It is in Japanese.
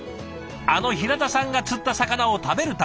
あの平田さんが釣った魚を食べるため。